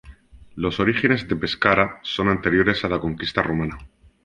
Los orígenes de Pescara son anteriores a la conquista romana.